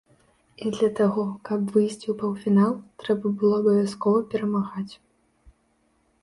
І для таго, каб выйсці ў паўфінал трэба было абавязкова перамагаць.